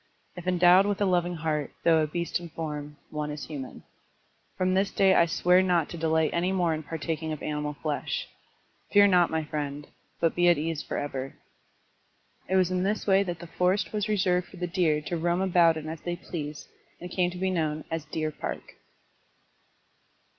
If endowed with a loving heart, though a beast in form, one is human. From this day I swear not to delight any more in partaking of animal flesh. Fear not, my friend, but be at ease forever." It was in this wise that the forest was reserved for the deer to roam about in as they pleased and came to be known as Deer Park.